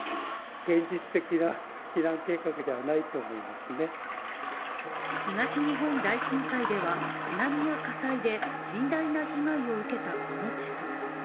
しかし東日本大震災では津波や火災で甚大な被害を受けたこの地区。